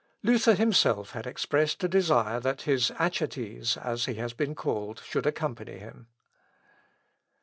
Luther himself had expressed a desire that his Achates, as he has been called, should accompany him.